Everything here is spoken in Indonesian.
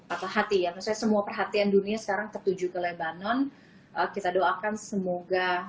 atau hati yang idea perhatian dunia sekarang ketujuh ke lebanon kita presentation semoga